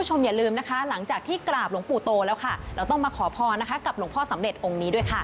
เช้ามาหลวงพ่อก็มาเล่าให้ผมฟัง